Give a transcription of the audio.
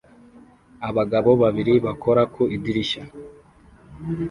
Abagabo babiri bakora ku idirishya